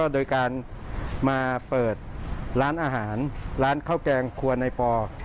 ด้วยการมาเปิดล้านอาหารข้าวแกงครัวในพ่อ